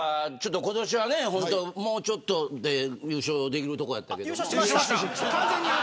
今年は、もうちょっとで優勝できるとこやったやけど。